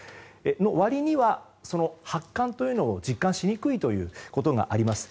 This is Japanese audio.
その割にはその発汗というのを実感しにくいということがあります。